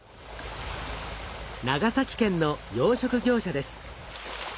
長崎県の養殖業者です。